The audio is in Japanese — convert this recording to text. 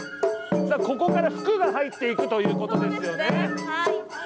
ここから福が入っていくということですよね。